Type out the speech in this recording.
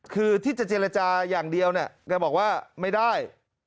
คือที่จะเจรจาอย่างเดียวเนี่ยแกบอกว่าไม่ได้